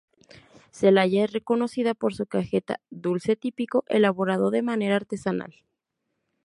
Celaya es reconocida por su cajeta, dulce típico elaborado de manera artesanal.